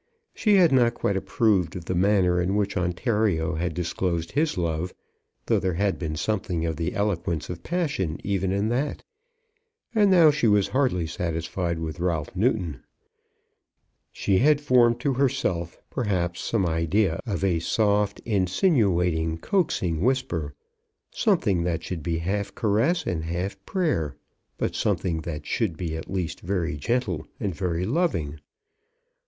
She had not quite approved of the manner in which Ontario had disclosed his love, though there had been something of the eloquence of passion even in that; and now she was hardly satisfied with Ralph Newton. She had formed to herself, perhaps, some idea of a soft, insinuating, coaxing whisper, something that should be half caress and half prayer, but something that should at least be very gentle and very loving.